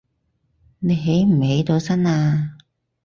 你起唔起到身呀